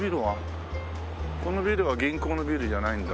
このビルは銀行のビルじゃないんだ。